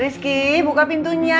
rizky buka pintunya